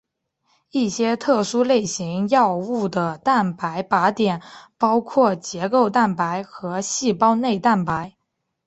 一些特殊类型药物的蛋白靶点包括结构蛋白和细胞内蛋白。